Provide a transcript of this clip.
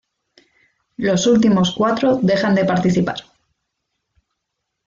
Los últimos cuatro dejan de participar.